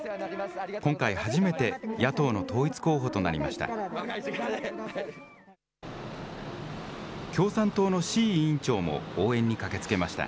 今回初めて、野党の統一候補となりました。